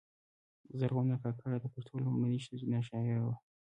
زرغونه کاکړه د پښتو لومړۍ ښځینه شاعره وه .